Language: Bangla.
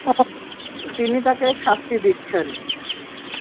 তিনি তাকে শাস্তি দিচ্ছেন।